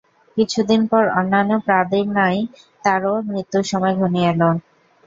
কিছুদিন পর অন্যান্য পাদ্রীর ন্যায় তারও মৃত্যুর সময় ঘনিয়ে এল।